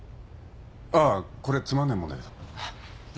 ああこれつまんねえもんだけど。